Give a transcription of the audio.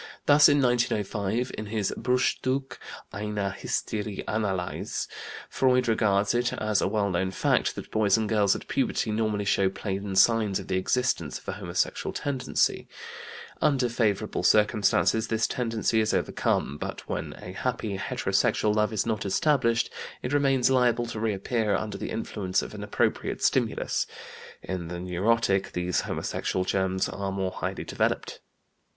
Thus, in 1905, in his "Bruchstück einer Hysterie Analyse" (reprinted in the second series of Sammlung Kleiner Schriften zur Neurosenlehre, 1909), Freud regards it as a well known fact that boys and girls at puberty normally show plain signs of the existence of a homosexual tendency. Under favorable circumstances this tendency is overcome, but when a happy heterosexual love is not established it remains liable to reappear under the influence of an appropriate stimulus. In the neurotic these homosexual germs are more highly developed.